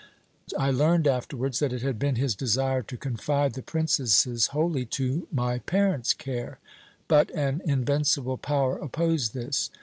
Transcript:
"I learned afterwards that it had been his desire to confide the princesses wholly to my parents' care. But an invincible power opposed this.